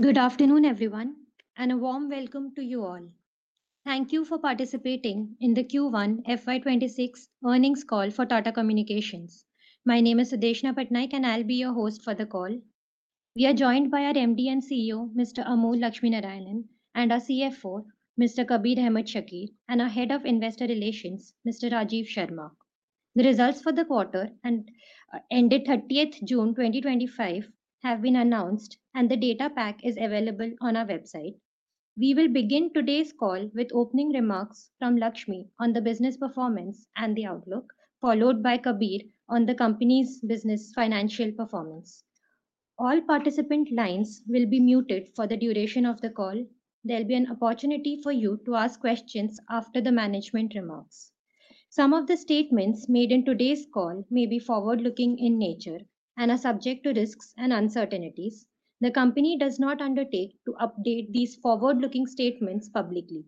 Good afternoon everyone and a warm welcome to you all. Thank you for participating in the Q1 FY26 earnings call for Tata Communications. My name is Sudeshna Patnaik and I'll be your host for the call. We are joined by our MD and CEO, Mr. Amur Lakshminarayanan, and our CFO, Mr. Kabir Ahmed Shakir, and our Head of Investor Relations, Mr. Rajiv Sharma. The results for the quarter ended 30 June 2025 have been announced and the data pack is available on our website. We will begin today's call with opening remarks from Lakshminarayanan on the business performance and the outlook, followed by Kabir on the company's business financial performance. All participant lines will be muted for the duration of the call. There'll be an opportunity for you to ask questions after the management remarks. Some of the statements made in today's call may be forward looking in nature and are subject to risks and uncertainties. The company does not undertake to update these forward looking statements publicly.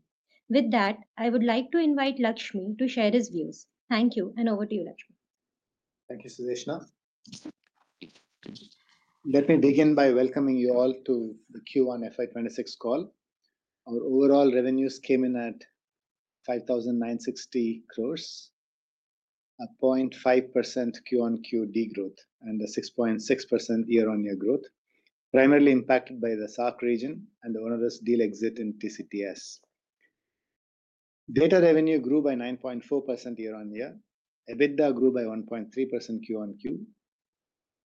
With that, I would like to invite Lakshminarayanan to share his views. Thank you. Over to you, Lakshminarayanan. Thank you, Sudeshna. Let me begin by welcoming you all to the Q1 FY26 call. Our overall revenues came in at 5,960 crores, a 0.5% QoQ degrowth and a 6.6% year-on-year growth, primarily impacted by the SAARC region and the onerous deal exit. In TCTS, data revenue grew by 9.4% year-on-year. EBITDA grew by 1.3% QoQ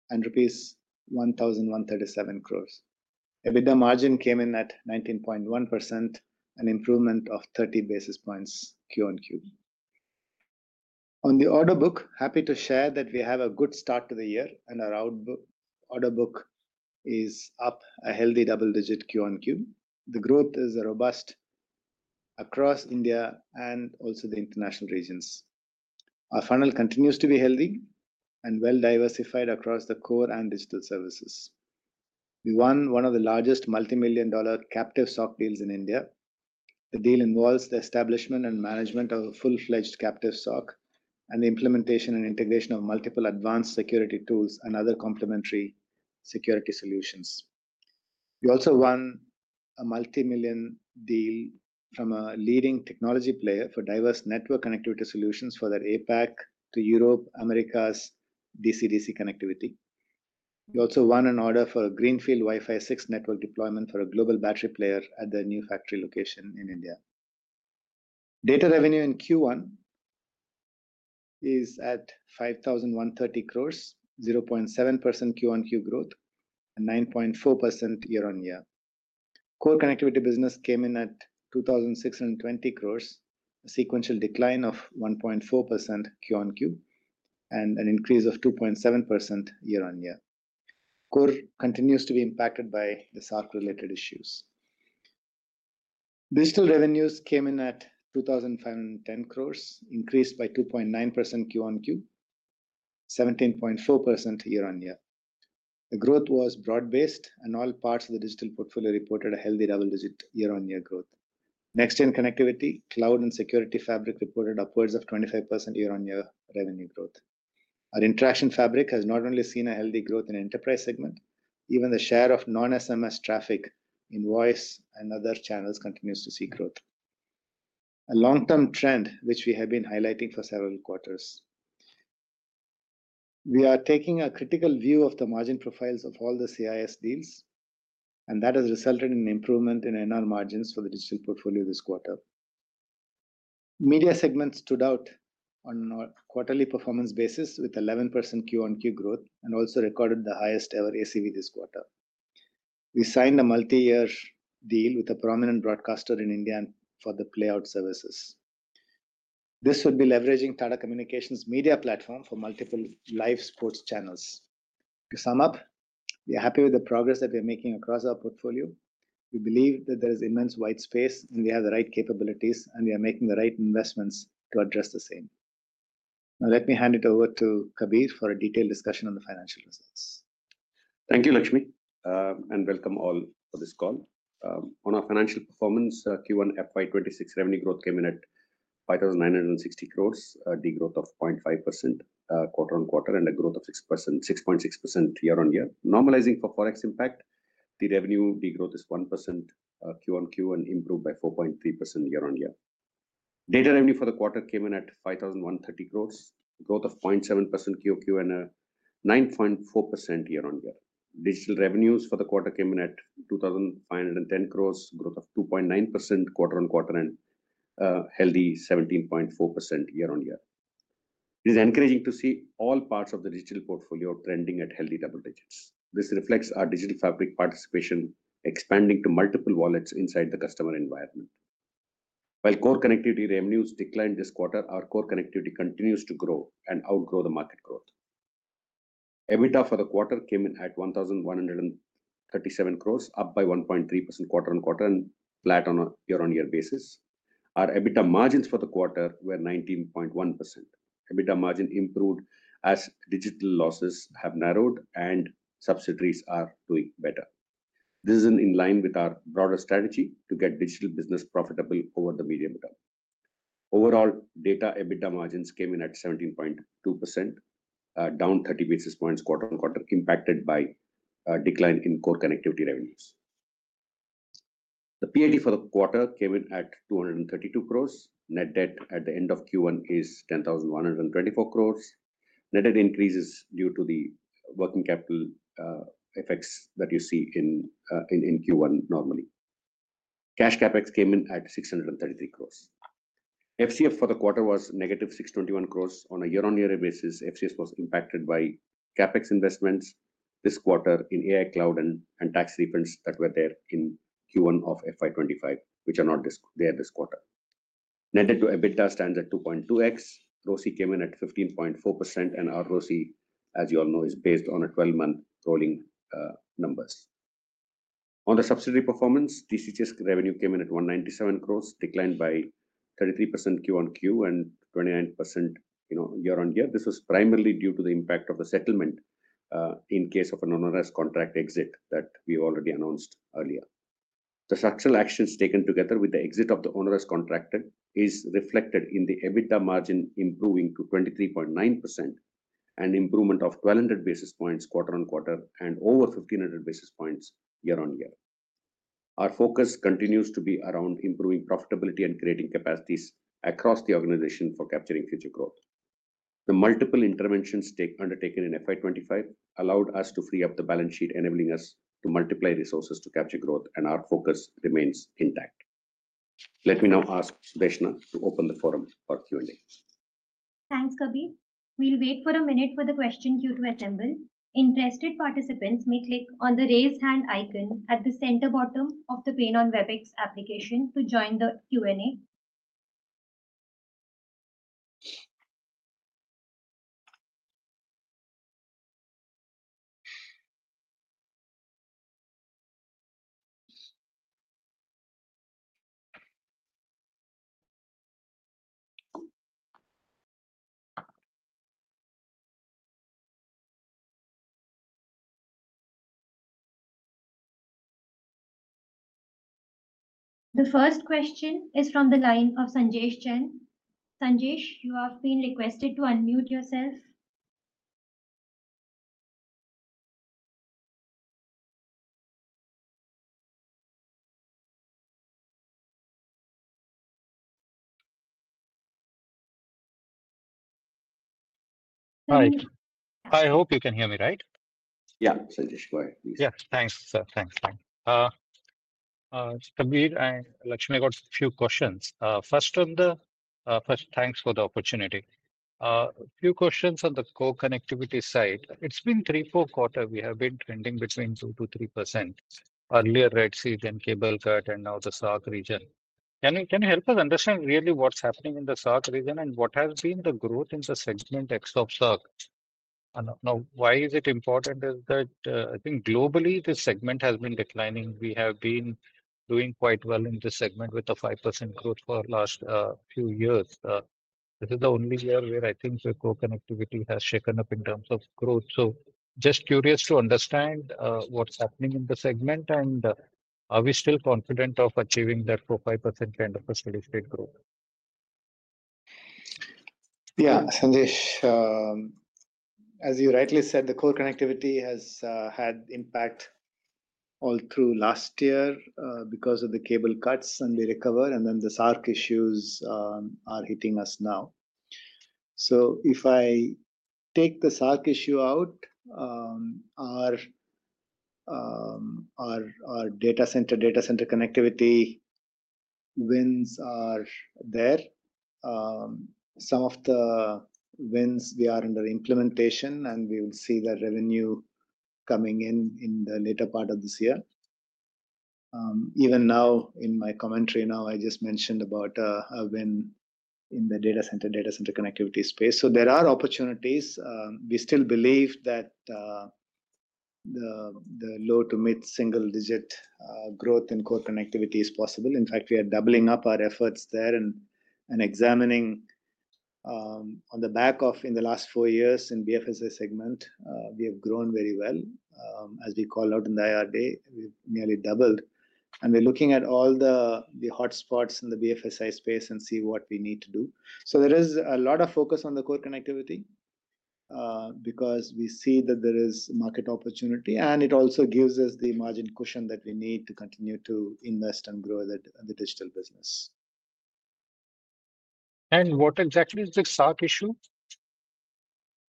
and was rupees 1,137 crores. EBITDA margin came in at 19.1%, an improvement of 30 basis points QoQ. On the order book, happy to share that we have a good start to the year and our order book is up a healthy double-digit QoQ. The growth is robust across India and also the international regions. Our funnel continues to be healthy and well-diversified across the core and digital services. We won one of the largest multimillion-dollar captive SOC deals in India. The deal involves the establishment and management of a full-fledged captive SOC and the implementation and integration of multiple advanced security tools and other complementary security solutions. We also won a multimillion-dollar deal from a leading technology player for diverse network connectivity solutions for their APAC to Europe Americas DC-DC connectivity. We also won an order for a Greenfield Wi-Fi 6 network deployment for a global battery player at the new factory location in India. Data revenue in Q1 is at 5,130 crores, 0.7% QoQ growth and 9.4% year-on-year. Core connectivity business came in at 2,620 crores, a sequential decline of 1.4% QoQ and an increase of 2.7% year-on-year. Core continues to be impacted by the SAARC-related issues. Digital revenues came in at 2,510 crores, increased by 2.9% QoQ, 17.4% year-on-year. The growth was broad-based and all parts of the digital portfolio reported a healthy double-digit year-on-year growth. Next-gen connectivity, cloud, and security fabric reported upwards of 25% year-on-year revenue growth. Our interaction fabric has not only seen a healthy growth in the enterprise segment, even the share of non-SMS traffic, in voice and other channels, continues to see growth, a long-term trend which we have been highlighting for several quarters. We are taking a critical view of the margin profiles of all the CIS deals and that has resulted in improvement in NR margins for the digital portfolio this quarter. Media segment stood out on a quarterly performance basis with 11% QoQ growth and also recorded the highest ever ACV. This quarter, we signed a multi-year deal with a prominent broadcaster in India for the playout services. This would be leveraging Tata Communications media platform for multiple live sports channels. To sum up, we are happy with the progress that we are making across our portfolio. We believe that there is immense white space, and we have the right capabilities, and we are making the right investments to address the same. Now let me hand it over to Kabir for a detailed discussion on the financial results. Thank you, Lakshmi, and welcome all for this call on our financial performance. Q1 FY26 revenue growth came in at 5,960 crores, a degrowth of 0.5% quarter on quarter and a growth of 6.6% year on year, normalizing for Forex impact. The revenue degrowth is 1% QoQ and improved by 4.3% year on year. Data revenue for the quarter came in at 5,130 crores, growth of 0.7% QoQ and 9.4% year on year. Digital revenues for the quarter came in at 2,510 crores, growth of 2.9% quarter on quarter and a healthy 17.4% year on year. It is encouraging to see all parts of the digital portfolio trending at healthy double digits. This reflects our digital fabric participation expanding to multiple wallets inside the customer environment. While core connectivity revenues declined this quarter, our core connectivity continues to grow and outgrow the market. Growth EBITDA for the quarter came in at 1,137 crores, up by 1.3% quarter on quarter and flat on a year on year basis. Our EBITDA margins for the quarter were 19.1%. EBITDA margin improved as digital losses have narrowed and subsidiaries are doing better. This is in line with our broader strategy to get digital business profitable over the medium term. Overall data EBITDA margins came in at 17.2%, down 30 basis points quarter on quarter, impacted by decline in core connectivity revenues. The PID for the quarter came in at 232 crores. Net debt at the end of Q1 is 10,124 crores. Net debt increase is due to the working capital effects that you see in Q1. Normalized cash capex came in at 633 crores. FCF for the quarter was minus 621 crores on a year on year basis. FCF was impacted by capex investments this quarter in AI, cloud, and tax refunds that were there in Q1 of FY25 which are not there this quarter. Net debt to EBITDA stands at 2.2x. ROCE came in at 15.4% and ROCE, as you all know, is based on a 12-month rolling number on the subsidiary performance. TCTS revenue came in at 197 crores, declined by 33% QoQ and 29% year on year. This was primarily due to the impact of the settlement in case of an onerous contract exit that we've already announced earlier. The structural actions taken together with the exit of the onerous contract are reflected in the EBITDA margin improving to 23.9%, an improvement of 1,200 basis points quarter on quarter and over 1,500 basis points year on year. Our focus continues to be around improving profitability and creating capacities across the organization for capturing future growth. The multiple interventions undertaken in FY25 allowed us to free up the balance sheet, enabling us to multiply resources to capture growth, and our focus remains intact. Let me now ask Sudeshna to open the forum for Q&A. Thanks, Kabir. We'll wait for a minute for the question queue to assemble. Interested participants may click on the raised hand icon at the center bottom of the pane on the Webex application to join the Q&A. The first question is from the line of Sandesh Jain. Sandesh. You have been requested to unmute yourself. All right. I hope you can hear me right. Yeah, yeah, thanks. Thanks. A few questions. First, thanks for the opportunity. A few questions on the core connectivity side. It's been 3-4 quarters we have been trending between 2 to 3%. Earlier Red Sea, then cable cut, and now the SAARC region. Can you help us understand really what's happening in the SAARC region and what has been the growth in the segment ex of SAARC? Now, why is it important is that I think globally this segment has been declining. We have been doing quite well in this segment with a 5% growth for the last few years. This is the only year where I think the core connectivity has shaken up in terms of growth. Just curious to understand what's happening in the segment and are we still confident of achieving that 4%-5% kind of steady state growth. Yeah Sandesh, as you rightly said, the core connectivity has had impact all through last year because of the cable cuts, and we recover, and then the SAARC issues are hitting us now. If I take the SAARC issue out, our data center connectivity wins are there. Some of the wins are under implementation, and we will see the revenue coming in the later part of this year. Even now, in my commentary, I just mentioned about wins in the data center connectivity space. There are opportunities. We still believe that the low- to mid-single-digit growth in core connectivity is possible. In fact, we are doubling up our efforts there and examining, on the back of the last four years in the BFSI segment, we have grown very well. As we call out in the IRD, we've nearly doubled, and we're looking at all the hotspots in the BFSI space and see what we need to do. There is a lot of focus on the core connectivity because we see that there is market opportunity, and it also gives us the margin cushion that we need to continue to invest and grow the digital business. What exactly is the SAARC issue?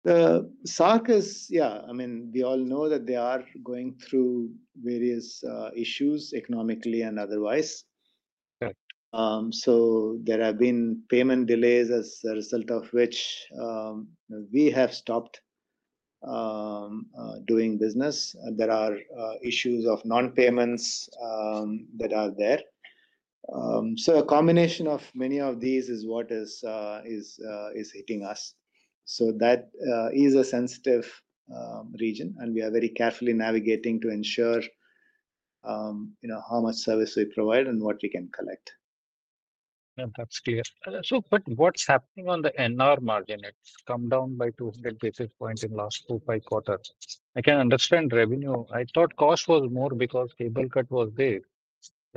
The SAARC region is, yeah, I mean we all know that they are going through various issues economically and otherwise. There have been payment delays as a result of which we have stopped doing business. There are issues of non-payments that are there. A combination of many of these is what is hitting us. That is a sensitive region and we are very carefully navigating to ensure how much service we provide and what we can collect. That's clear. What's happening on the NR margin? It's come down by 200 basis points in the last four, five quarters. I can understand revenue. I thought cost was more because cable cut was there.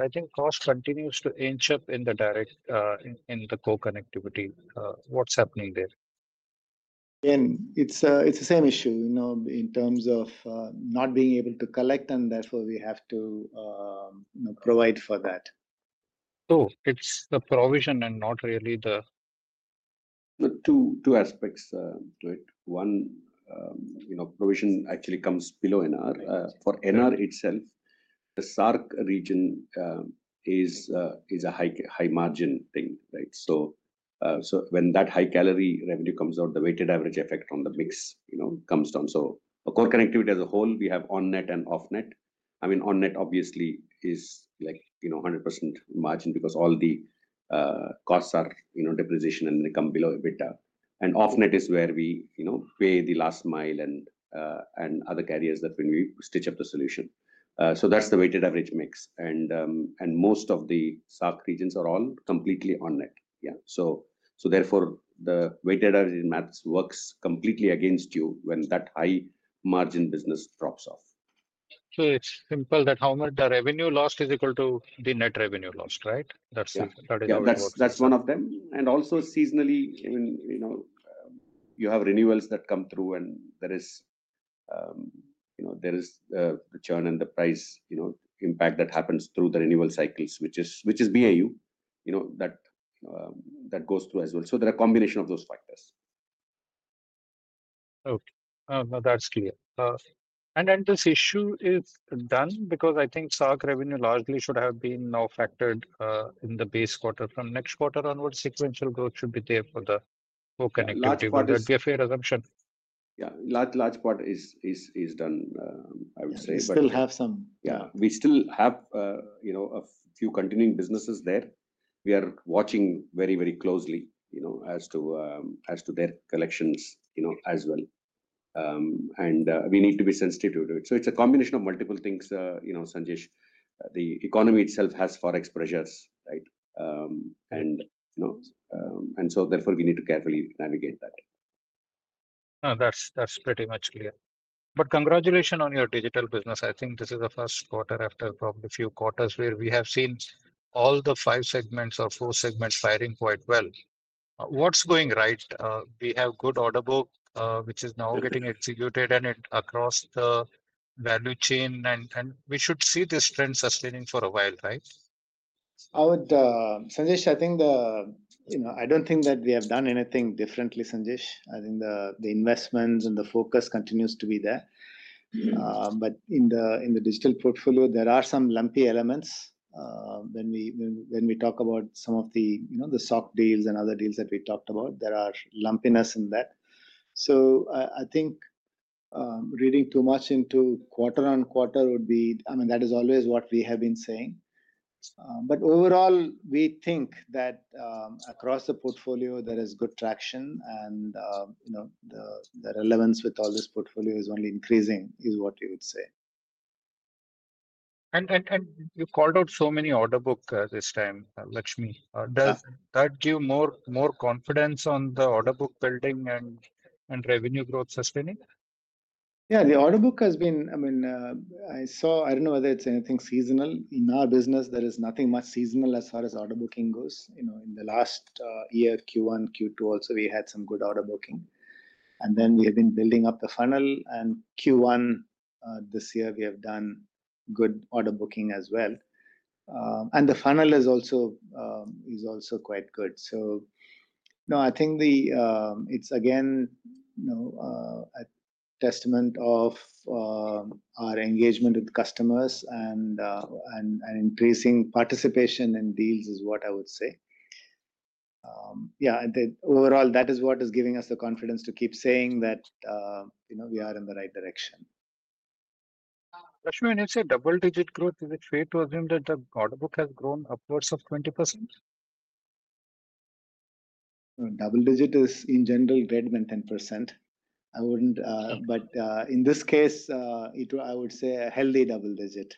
I think cost continues to inch up in the direct in the core connectivity, what's happening there? It's the same issue in terms of not being able to collect, and that's what we have to provide for that. It's the provision and not really. There are two aspects to it. One, you know, provision actually comes below [NR]. For [NR itself], the SAARC region is a high-margin thing, right? When that high-calorie revenue comes out, the weighted average effect on the mix comes down. Core connectivity as a whole, we have on net and off net. On net obviously is like 100% margin because all the costs are depreciation and they come below EBITDA, and off net is where we pay the last mile and other carriers when we stitch up the solution. That's the weighted average mix, and most of the SAARC regions are all completely on net. Therefore, the weighted average maths works completely against you when that high-margin business drops off. It's simple that how much the revenue lost is equal to the net revenue lost, right? That's one of them. Also, seasonally. You have renewals that come through and there is the churn and the price impact that happens through the renewal cycles, which is, you know, that goes through as well. There are a combination of those factors. Okay, now that's clear. This issue is done because I think SAARC revenue largely should have been now factored in the base quarter. From next quarter onwards, sequential growth should be there for the fair assumption. Yeah, large part is done. I would. Say still have some. Yeah, we still have a few continuing businesses there. We are watching very, very closely as to their collections as well. We need to be sensitive to it. It's a combination of multiple things. You know, Sandesh, the economy itself has forex pressures, right, and therefore we need to carefully navigate that. That's pretty much clear. Congratulations on your digital business. I think this is the first quarter after probably a few quarters where we have seen all the five segments or four segments firing quite well. What's going right? We have a good order book which is now getting executed and it is across the value chain, and we should see this trend sustaining for a while, right. I think the, you know, I don't think that we have done anything differently, Sandesh. I think the investments and the focus continues to be there, but in the digital portfolio, there are some lumpy elements. When we talk about some of the SOC deals and other deals that we talked about, there is lumpiness in that. I think reading too much into quarter-on-quarter would be, I mean, that is always what we have been saying. Overall, we think that across the portfolio there is good traction, and the relevance with all this portfolio is only increasing, is what you would say. You called out so many order book this time, Lakshmi. Does that give more confidence on the order book building and revenue growth sustaining? Yeah, the order book has been, I mean, I saw. I don't know whether it's anything seasonal in our business. There is nothing much seasonal as far as order booking goes. In the last year Q1, Q2 also we had some good order booking, and then we have been building up the funnel, and Q1 this year we have done good order booking as well, and the funnel is also quite good. No, I think it's again a testament of our engagement with customers, and increasing participation in deals is what I would say. Yeah, overall that is what is giving us the confidence to keep saying that we are in the right direction. When you say double digit growth, is it fair to assume that the order book has grown upwards of 20%? Double digit is in general greater than 10%, but in this case I would say a healthy double digit.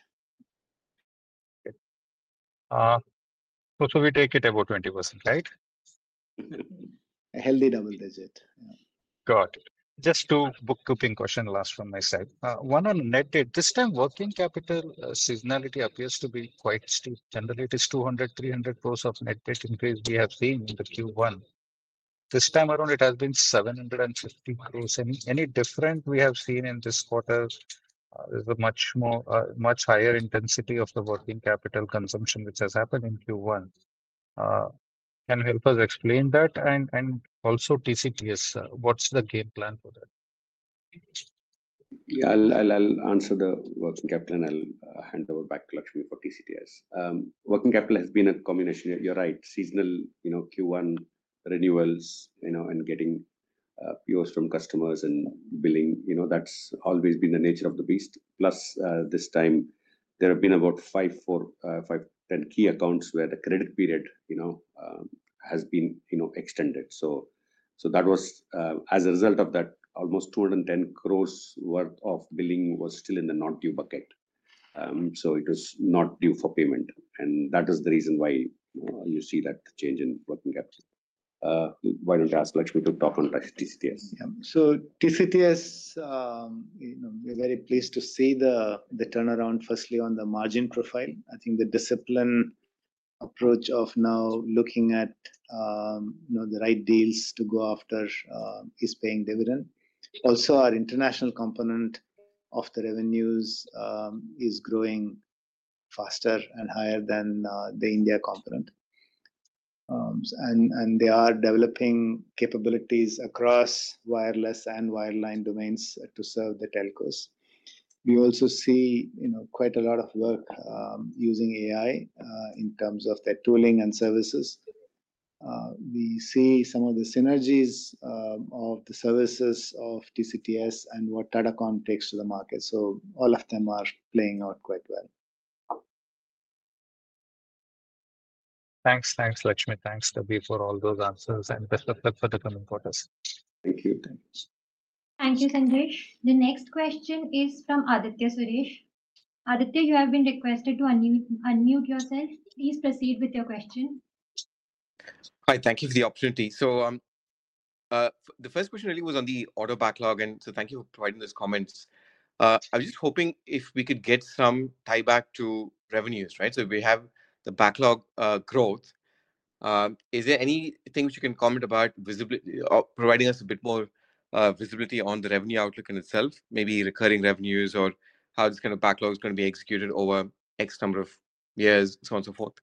We take it about 20%. Right, a healthy double-digit. Got it. Just two bookkeeping questions last from my side. One on net debt, this time working capital seasonality appears to be quite steep. Generally, it is 200, 300 crores of net debt increase we have seen in Q1. This time around it has been 750 crores. Any different we have seen in this quarter? There's a much more, much higher intensity of the working capital consumption which has happened in Q1. Can you help us explain that? Also, TCTS. What's the game plan for that? Yeah, I'll answer the working capital and I'll hand over back to Lakshmi for TCTS. Working capital has been a combination, you're right, seasonal, you know, Q1 renewals, you know, and getting POs from customers and billing, you know, that's always been the nature of the beast. Plus this time there have been about 4 or 5, 10 key accounts where the credit period, you know, has been, you know, extended. That was as a result of that almost 210 crore worth of billing was still in the not due bucket. It was not due for payment. That is the reason why you see that change in working capital. Why don't I ask Lakshmi to talk on TCTS. TCTS, we're very pleased to see the turnaround. Firstly, on the margin profile, I think the disciplined approach of now looking at the right deals to go after is paying dividend. Also, our international component of the revenues is growing faster and higher than the India component, and they are developing capabilities across wireless and wireline domains to serve the telcos. We also see quite a lot of work using AI in terms of their tooling and services. We see some of the synergies of the services of TCTS and what Tata Communications takes to the market. All of them are playing out quite well. Thanks. Thanks, Lakshmi. Thanks, Kabir, for all those answers and best of luck for the coming quarters. Thank you. Thank you, Sandesh. The next question is from Aditya Suresh. Aditya, you have been requested to unmute yourself. Please proceed with your question. Hi. Thank you for the opportunity. The first question really was on the auto backlog, and thank you for providing those comments. I was just hoping if we could get some tie back to revenues. We have the backlog growth. Is there anything you can comment about providing us a bit more visibility on the revenue outlook in itself, maybe recurring revenues or how this kind of backlog is going to be executed over x number of years, and so forth.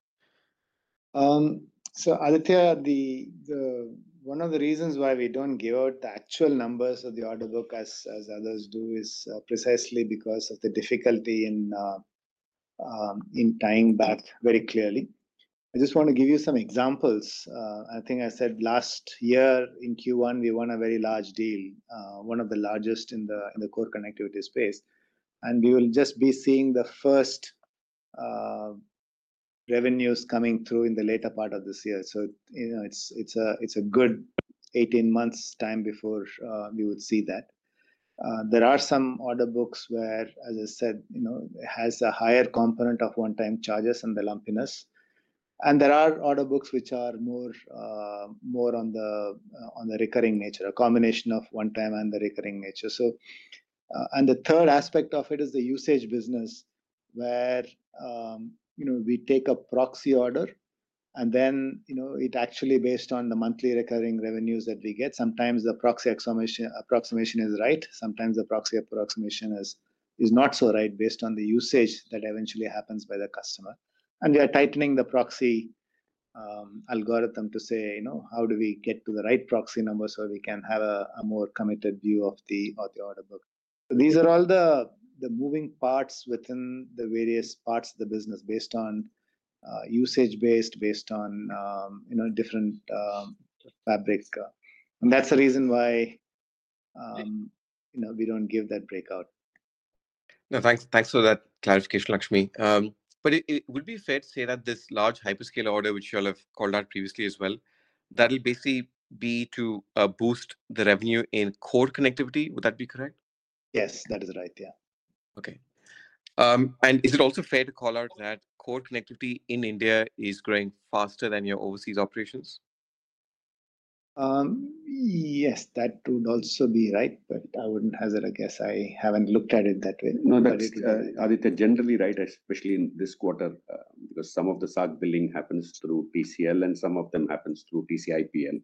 One of the reasons why we don't give out the actual numbers of the order book as others do is precisely because of the difficulty in tying back very clearly. I just want to give you some examples. I think I said last year in Q1 we won a very large deal, one of the largest in the core connectivity space, and we will just be seeing the first revenues coming through in the later part of this year. It's a good 18 months time before we would see that. There are some order books where, as I said, it has a higher component of one-time charges and the lumpiness, and there are order books which are more on the recurring nature, a combination of one-time and the recurring nature. The third aspect of it is the usage business where we take a proxy order and then it actually is based on the monthly recurring revenues that we get. Sometimes the proxy approximation is right, sometimes the proxy approximation is not so right based on the usage that eventually happens by the customer. We are tightening the proxy algorithm to say how do we get to the right proxy number so we can have a more committed view of the order book. These are all the moving parts within the various parts of the business based on usage, based on different fabrics. That's the reason why we don't give that breakout. No, thanks. Thanks for that clarification, Lakshmi. It would be fair to say that this large hyperscale order, which you all have called out previously as well, that'll basically be to boost the revenue in core connectivity. Would that be correct? Yes, that is right. Yeah. Okay. Is it also fair to call out that core connectivity in India is growing far faster than your overseas operations? Yes, that would also be right. I wouldn't hazard a guess. I haven't looked at it that way. No, that's generally right. Especially in this quarter because some of the SAARC billing happens through PCL and some of them happens through TCIPL.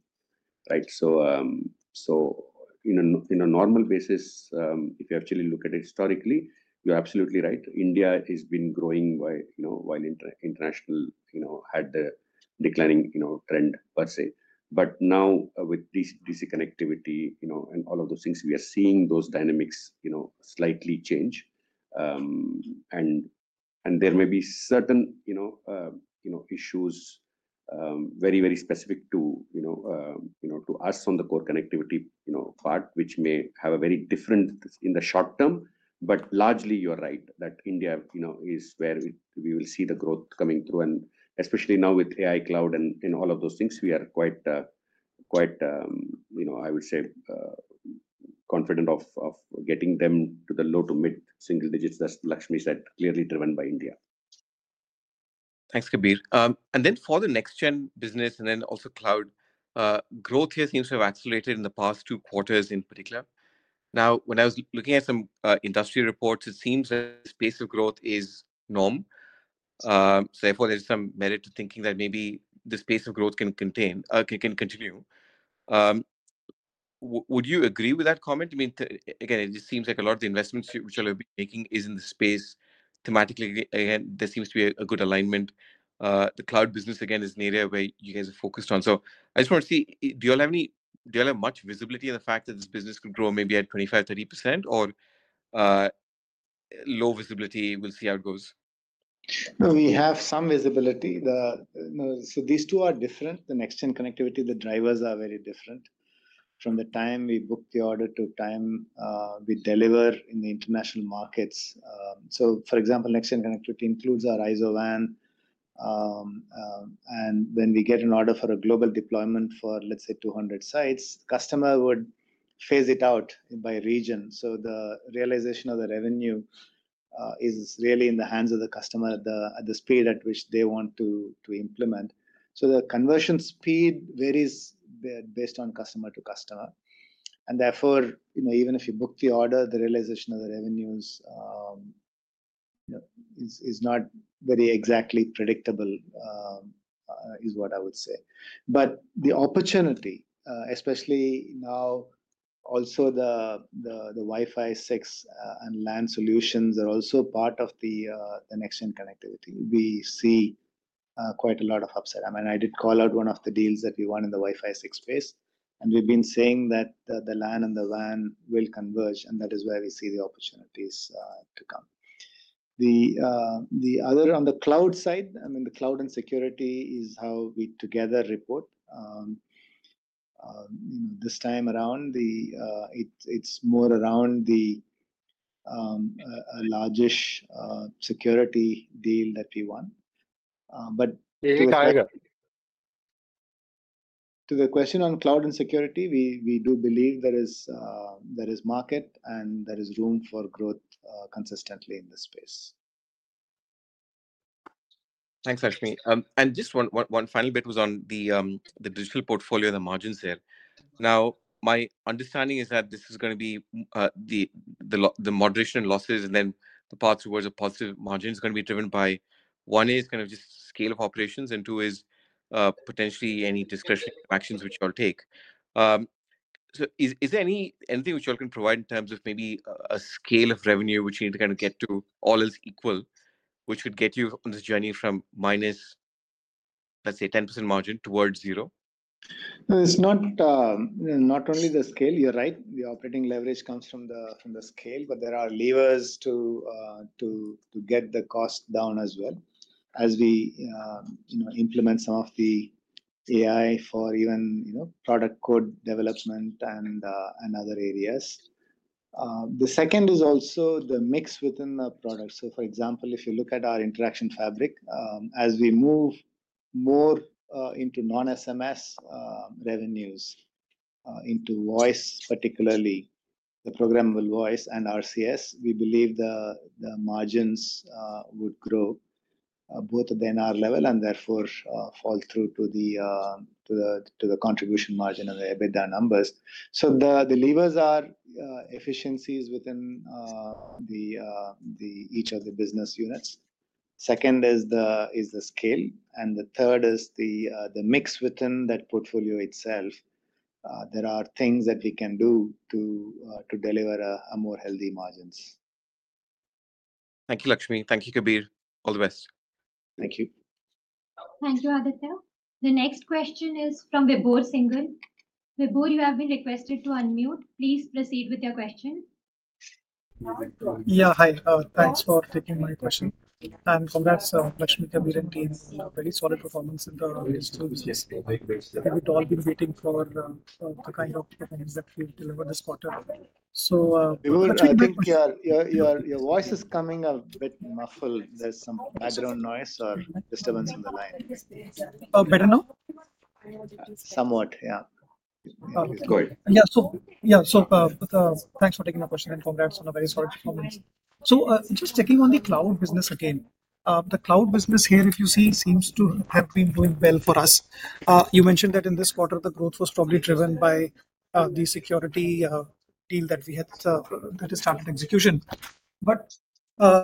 In a normal basis, if you actually look at it historically, you're absolutely right. India has been growing while international had the declining trend per se. Now with data center connectivity and all of those things, we are seeing those dynamics slightly change and there may be certain issues very, very specific to us on the core connectivity part, which may have a very different impact in the short term, but largely you're right that India is where we will see the growth coming through. Especially now with AI, cloud and all of those things, we are quite, I would say, confident of getting them to the low to mid single digits that Lakshmi said, clearly driven by India. Thanks, Kabir. For the next gen business, cloud growth here seems to have accelerated in the past two quarters. In particular, when I was looking at some industry reports, it seems that pace of growth is norm. Therefore, there's some merit to thinking that maybe the pace of growth can continue. Would you agree with that comment? I mean, it just seems like a lot of the investments which you'll be making is in the space. Thematically, there seems to be a good alignment. The cloud business, again, is an area where you guys are focused on. I just want to see, do you have any, do you have much visibility in the fact that this business could grow maybe at 25%, 30% or low visibility? We'll see how it goes. We have some visibility. These two are different. The next gen connectivity, the drivers are very different from the time we book the order to the time we deliver in the international markets. For example, next gen connectivity includes our IZO WAN. When we get an order for a global deployment for, let's say, 200 sites, the customer would phase it out by region. The realization of the revenue is really in the hands of the customer at the speed at which they want to implement. The conversion speed varies based on customer to customer, and therefore, even if you book the order, the realization of the revenues is not very exactly predictable, is what I would say. The opportunity, especially now, also the Wi-Fi 6 and LAN solutions are also part of the next gen connectivity. We see quite a lot of upside. I did call out one of the deals that we won in the Wi-Fi 6 phase, and we've been saying that the LAN and the WAN will converge, and that is where we see the opportunity to come. The other on the cloud side, the cloud and security is how we together report this time around. It's more around the largest security deal that we won. To the question on cloud and security, we do believe there is market and there is room for growth consistently in this space. Thanks, Lakshmi. Just one final bit was on the digital portfolio, the margins there. My understanding is that this is going to be the moderation losses, and then the path towards a positive margin is going to be driven by one is kind of just scale of operations, and two is potentially any discretionary actions which you all take. Is there anything which you can provide in terms of maybe a scale of revenue which you need to kind of get to, all is equal, which could get you on this journey from minus, let's say, 10% margin towards zero? It's not only the scale, you're right, the operating leverage comes from the scale. There are levers to get the cost down as well as we implement some of the AI for even product code development and other areas. The second is also the mix within the product. For example, if you look at our interaction fabric as we move more into non-SMS revenues into voice, particularly the programmable voice and RCS, we believe the margins would grow both at the NR level and therefore fall through to the contribution margin and the EBITDA numbers. The [levers] are efficiencies within each of the business units. Second is the scale and the third is the mix. Within that portfolio itself there are things that we can do to deliver a more healthy margin. Thank you, Lakshminarayanan. Thank you, Kabir. All the best. Thank you. Thank you, Aditya. The next question is from Vibhor Singhal. You have been requested to unmute. Please proceed with your question. Yeah, hi, thanks for taking my question and congrats. Very solid performance in the quarter. We all been waiting for the kind of things that we deliver this quarter. I think your voice is coming a bit muffled. There's some background noise or disturbance in the line. Better now? Somewhat. Yeah, go ahead. Yeah, thanks for taking a question and congrats on a very solid performance. Just checking on the cloud business again. The cloud business here, if you see, seems to have been doing well for us. You mentioned that in this quarter the growth was probably driven by the security deal that we had that has started execution. Do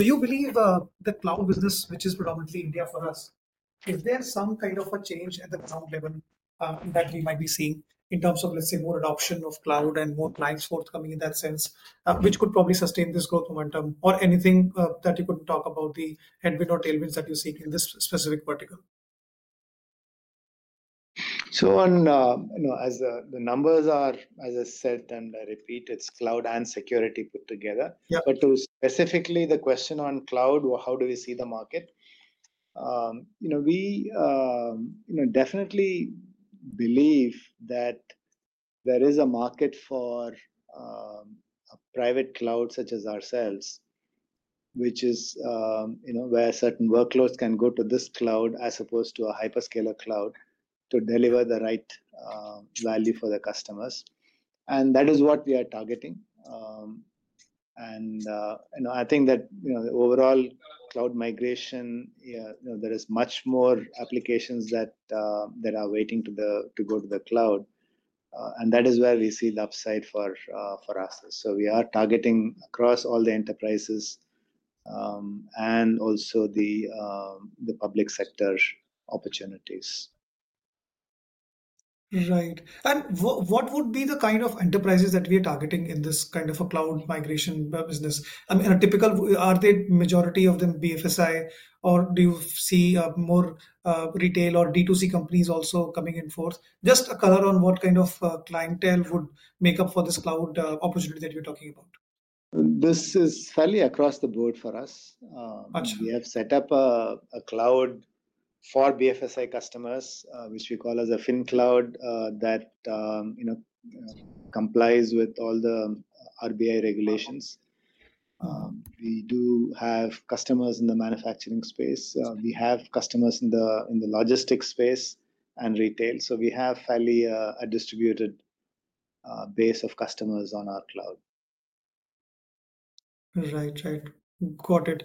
you believe the cloud business, which is predominantly India for us, is there some kind of a change at the ground level that we might be seeing in terms of, let's say, more adoption of cloud and more clients forthcoming in that sense, which could probably sustain this growth momentum or anything that you could talk about the headwinds or tailwinds that you see in this specific vertical? As the numbers are, as I said, and I repeat, it's cloud and security put together. To specifically address the question on cloud, how do we see the market? We definitely believe that there is a market for a private cloud such as ourselves, which is where certain workloads can go to this cloud as opposed to a hyperscaler cloud to deliver the right value for the customers. That is what we are targeting. I think that overall cloud migration, there are much more applications that are waiting to go to the cloud and that is where we see the upside for us. We are targeting across all the enterprises and also the public sector opportunities. Right. What would be the kind of enterprises that we are targeting in this kind of a cloud migration business? Typical. Are they majority of them BFSI or do you see more retail or D2C companies also coming in force? Just a color on what kind of clientele would make up for this cloud opportunity that you're talking about. This is fairly across the board for us. We have set up a cloud for BFSI customers, which we call as a Fin Cloud, that complies with all the RBI regulations. We do have customers in the manufacturing space, and we have customers in the logistics space. We have fairly a distributed base of customers on our cloud. Right, right, got it.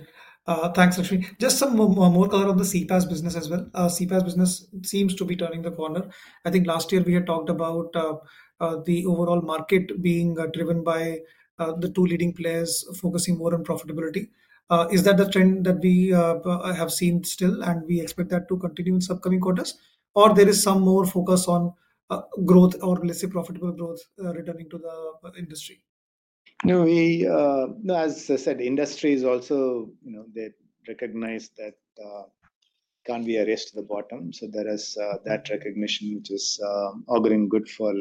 Thanks, Lakshmi. Just some more color on the managed CPaaS business as well. The managed CPaaS business seems to be turning the corner. I think last year we had talked about the overall market being driven by the two leading players focusing more on profitability. Is that the trend that we have seen still? Do we expect that to continue in upcoming quarters, or is there some more focus on growth, or let's say profitable growth returning to the industry? No, we know, as I said, industries also, they recognize that it can't be a race to the bottom. There is that recognition which is auguring good for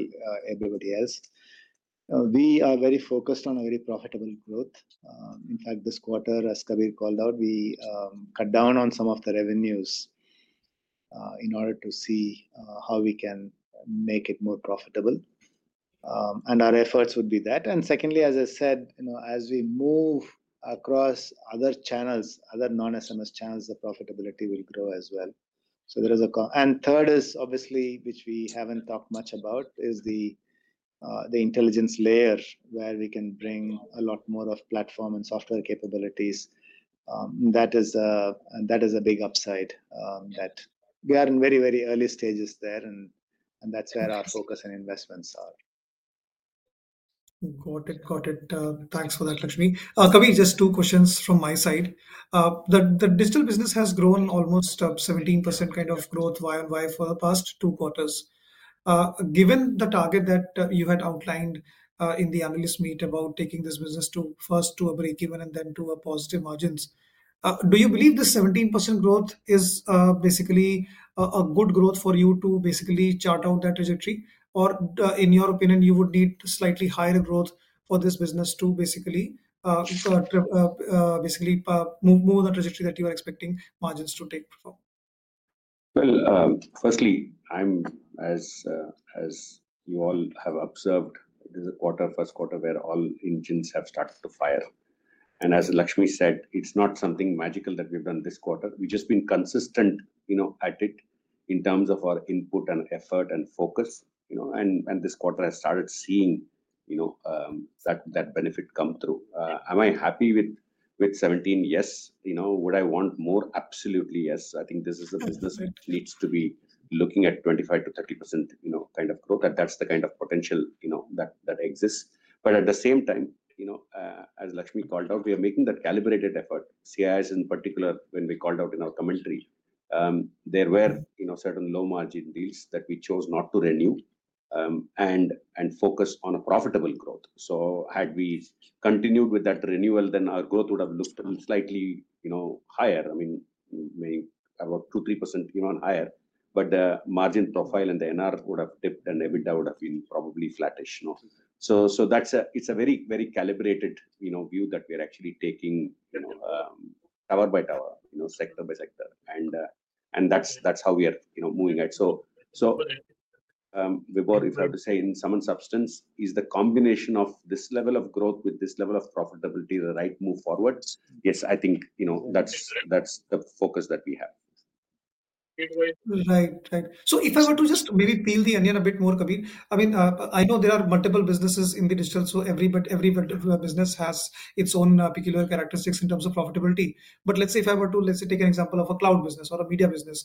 everybody else. We are very focused on a very profitable growth. In fact, this quarter, as Kabir called out, we cut down on some of the revenues in order to see how we can make it more profitable and our efforts would be that. Secondly, as I said, as we move across other channels, other non-SMS channels, the profitability will grow as well. Third is obviously, which we haven't talked much about, the intelligence layer where we can bring a lot more of platform and software capabilities to. That is a big upside that we are in very, very early stages there and that's where our focus and investments are. Got it, got it. Thanks for that Lakshmi, Kabir, just two questions from my side. The digital business has grown almost 17% kind of growth YoY for the past two quarters. Given the target that you had outlined in the analyst meet about taking this business first to a breakeven and then to a positive margin, do you believe the 17% growth is basically a good growth for you to basically chart out that trajectory, or in your opinion, you would need slightly higher growth for this business to basically move the trajectory that you are expecting margins to take? Profile? Firstly, as you all have observed, this is a quarter, first quarter, where all engines have started to fire and as Lakshmi said, it's not something magical that we've done this quarter. We've just been consistent at it in terms of our input and effort and focus, and this quarter I started seeing that benefit come through. Am I happy with 17%? Yes. Would I want more? Absolutely, yes. I think this is a business which needs to be looking at 25% to 30% kind of growth and that's the kind of potential that exists. At the same time, as Lakshmi called out, we are making that calibrated effort. CIS in particular, when we called out in our commentary, there were certain low margin deals that we chose not to renew and focus on a profitable growth. Had we continued with that renewal, then our growth would have looked slightly higher, about 2%, 3% even higher. The margin profile and the NR would have dipped and EBITDA would have been probably flattish. It's a very calibrated view that we're actually taking tower by tower, sector by sector, and that's how we are moving. If you have to say in some substance, it's the combination of this level of growth with this level of profitability, the right move forward. Yes, I think that's the focus that we have. If I were to just maybe peel the onion a bit more, Kabir. I know there are multiple businesses in the digital, so every business has its own peculiar characteristics in terms of profitability. Let's say, if I were to take an example of a cloud business or a media business,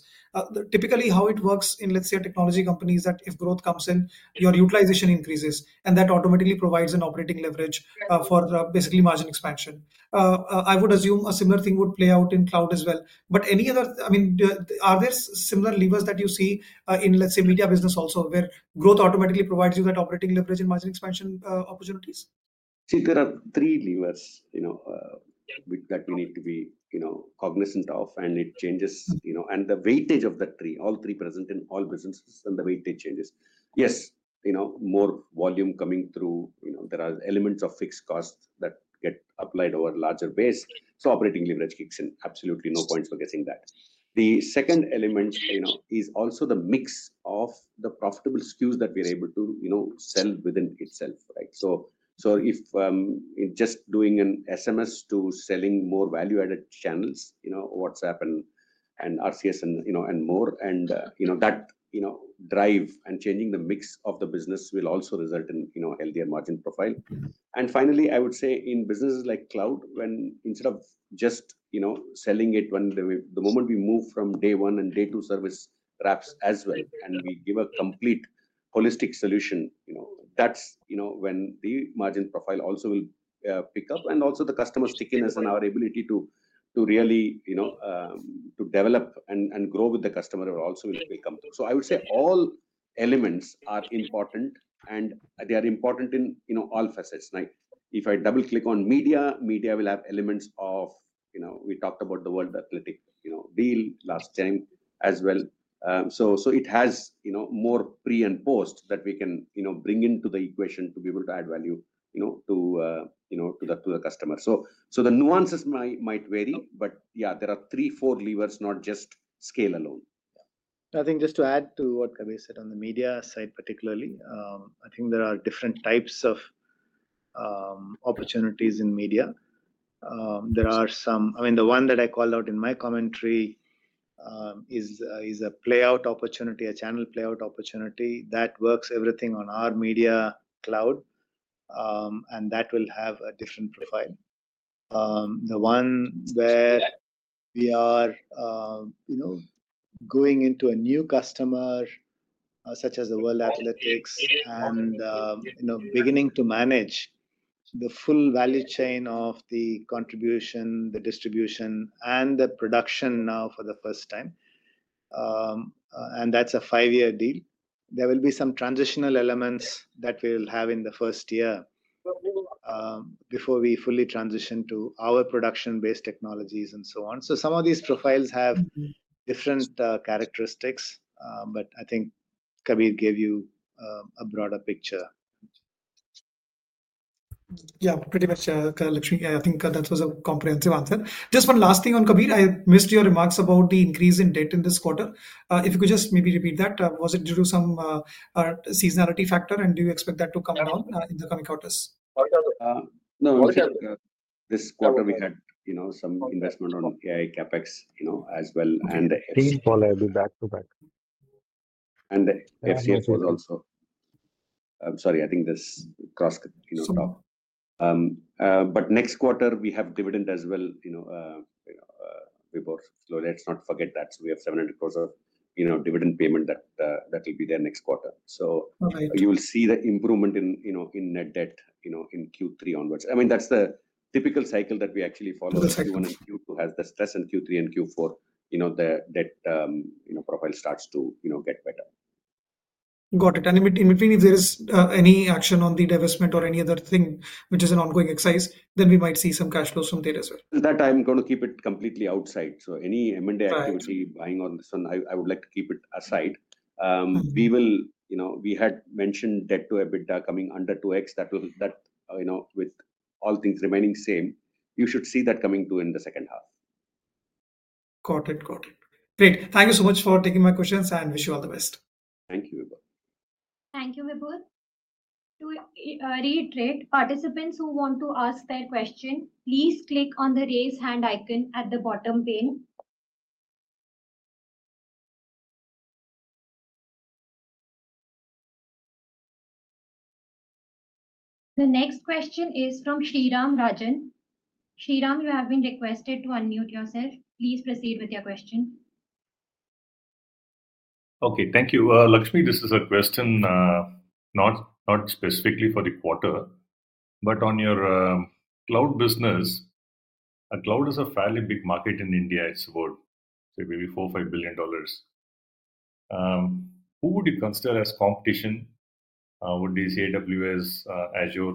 typically how it works in a technology company is that if growth comes in, your utilization increases and that automatically provides an operating leverage for basically margin expansion. I would assume a similar thing would play out in cloud as well. Are there similar levers that you see in, let's say, media business also where growth automatically provides you that operating leverage and margin expansion opportunities? See, there are three levers that we need to be cognizant of, and it changes, and the weightage of all three is present in all businesses, and the weightage changes. Yes, more volume coming through, there are elements of fixed cost that get applied over a larger base, so operating leverage kicks in. Absolutely no point for guessing that the second element is also the mix of the profitable SKUs that we're able to sell within itself. If just doing an SMS to selling more value-added channels, WhatsApp and RCS and more, that drive and changing the mix of the business will also result in a healthier margin profile. Finally, I would say in businesses like cloud, when instead of just selling it, the moment we move from day one and day two service wraps as well and we give a complete holistic solution, that's when the margin profile also will pick up, and also the customer stickiness and our ability to really develop and grow with the customer also will come through. I would say all elements are important, and they are important in all facets. If I double click on media, media will have elements of, we talked about the World Athletics deal last time as well, so it has more pre and post that we can bring into the equation to be able to add value to the customer. The nuances might vary, but yeah, there are three, four levers, not just scale alone. I think just to add to what Kabir said on the media side particularly, I think there are different types of opportunities in media. There are some, I mean the one that I called out in my commentary is a playout opportunity, a channel playout opportunity that works everything on our media cloud, and that will have a different profile. The one where we are going into a new customer such as the World Athletics and beginning to manage the full value chain of the contribution, the distribution, and the production. Now for the first time, and that's a five-year deal, there will be some transitional elements that we will have in the first year before we fully transition to our production-based technologies and so on. Some of these profiles have different characteristics, but I think Kabir gave you a broader picture. Yeah, pretty much. I think that was a comprehensive answer. Just one last thing on Kabir, I missed your remarks about the increase in debt in this quarter. If you could just maybe repeat that. Was it due to some seasonality factor, and do you expect that to come down in the coming quarters? This quarter we had some investment on AI CapEx as well and back to back and FCF was also, I'm sorry, I think this cross. Next quarter we have dividend as well, let's not forget that. We have 700 crores of dividend payment that will be there next quarter. You will see the improvement in net debt in Q3 onwards. I mean that's the typical cycle that we actually follow. Q1 and Q2 has the stress, in Q3 and Q4 the debt profile starts to get better. Got it. If there is any action on the divestment or any other thing which is an ongoing exercise, we might see some cash flows from there as well. I'm going to keep it completely outside. Any M&A activity, buying on this one, I would like to keep it aside. We had mentioned debt to EBITDA coming under 2x. With all things remaining the same, you should see that coming to in the second half. Got it. Great. Thank you so much for taking my questions and wish you all the best. Thank you, Vi. Thank you, Vi. To reiterate, participants who want to ask their question, please click on the raise hand icon at the bottom pane. The next question is from Sriram Rajan. Sriram. You have been requested to unmute yourself. Please proceed with your question. Okay, thank you. Lakshmi, this is a question not specifically for the quarter but on your cloud business. Cloud is a fairly big market in India. It's about, say, maybe $4 or $5 billion. Who would you consider as competition? Would they say AWS, Azure?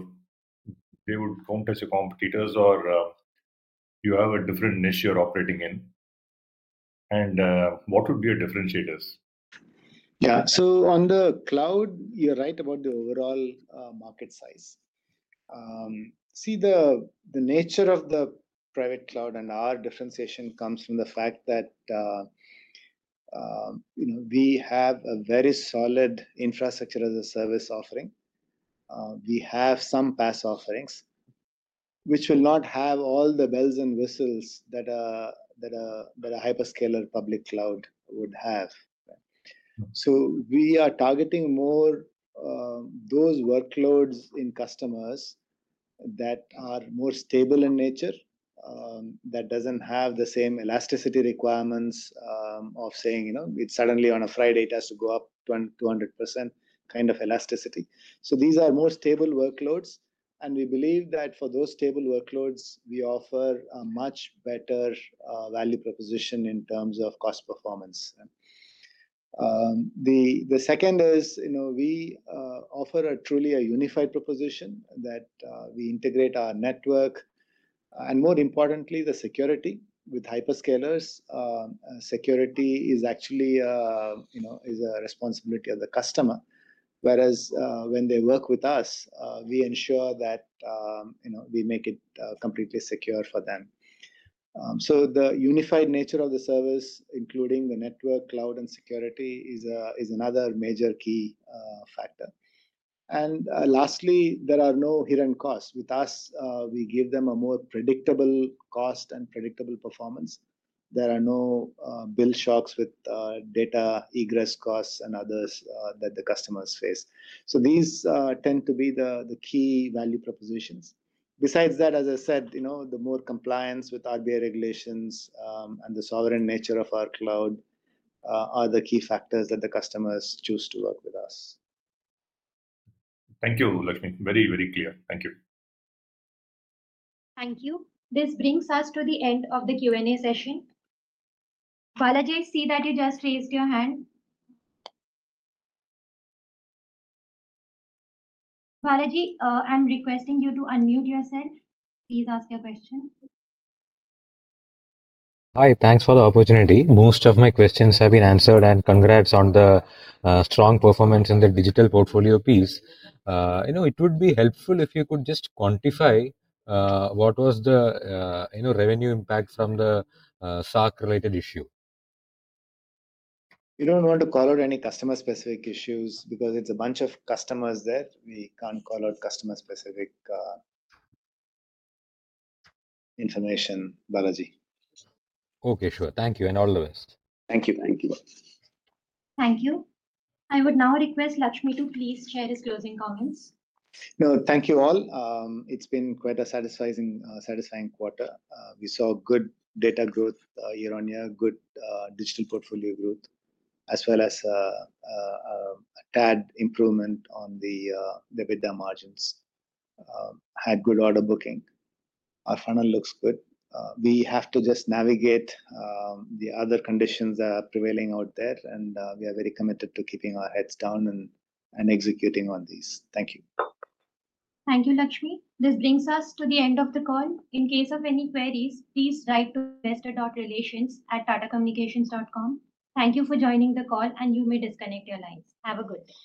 They would count as your competitors or you have a different niche you're operating in, and what would be your differentiators? Yeah. On the cloud you're right about the overall market size. The nature of the private cloud and our differentiation comes from the fact that we have a very solid infrastructure as a service offering. We have some PaaS offerings which will not have all the bells and whistles that a hyperscaler public cloud would have. We are targeting more those workloads in customers that are more stable in nature that don't have the same elasticity requirements of saying it suddenly on a Friday it has to go up 200% kind of elasticity. These are more stable workloads. We believe that for those stable workloads we offer a much better value proposition in terms of cost performance. The second is we offer truly a unified proposition that we integrate our network and more importantly the security. With hyperscalers, security is actually a responsibility of the customer, whereas when they work with us, we ensure that we make it completely secure for them. The unified nature of the service, including the network, cloud, and security, is another major key factor. Lastly, there are no hidden costs with us. We give them a more predictable cost and predictable performance. There are no bill shocks with data egress costs and others that the customers face. These tend to be the key value propositions. Besides that, as I said, the more compliance with RBI regulations and the sovereign nature of our cloud are the key factors that the customers choose to work with us. Thank you, Lakshminarayanan. Very, very clear. Thank you. Thank you. This brings us to the end of the Q and A session. Balaji, I see that you just raised your hand. Balaji, I'm requesting you to unmute yourself. Please ask your question. Hi, thanks for the opportunity. Most of my questions have been answered. Congratulations on the strong performance in. The digital portfolio piece. It would be helpful if you could just quantify what was the. You know, revenue impact from the SAARC related issue. You don't want to call out any customer specific issues because it's a bunch of customers there. We can't call out customer specific. Information. Balaji. Okay, sure. Thank you and all the best. Thank you. Thank you. Thank you. I would now request Lakshminarayanan to please share his closing comments. Thank you all. It's been quite a satisfying quarter. We saw good data growth year on year, good digital portfolio growth as well as a tad improvement on the EBITDA margins. Had good order booking. Our funnel looks good. We have to just navigate the other conditions that are prevailing out there. We are very committed to keeping our heads down and executing on these. Thank you. Thank you, Lakshmi. This brings us to the end of the call. In case of any queries, please write to investorrelations@tatacommunications.com. Thank you for joining the call, and you may disconnect your lines. Have a good day.